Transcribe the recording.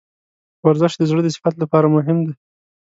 ورزش د زړه د صحت لپاره مهم دی.